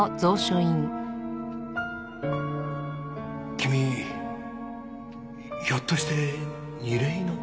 君ひょっとして楡井の？